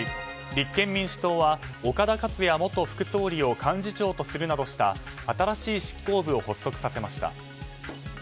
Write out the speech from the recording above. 立憲民主党は岡田克也元副総理を幹事長とするなどした新しい執行部を発足させました。